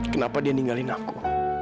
kenapa dia meninggalin aku